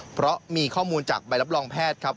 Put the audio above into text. เพราะมีข้อมูลจากใบรับรองแพทย์ครับ